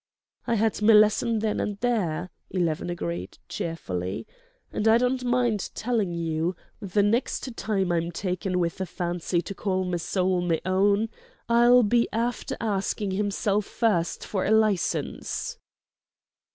"I had me lesson then and there," Eleven agreed, cheerfully. "And I don't mind telling you, the next time I'm taken with a fancy to call me soul me own, I'll be after asking himself first for a license."